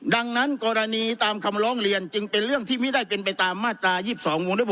ดังนั้นกรณีตามคำร้องเรียนจึงเป็นเรื่องที่ไม่ได้เป็นไปตามมาตรา๒๒วงเล็บ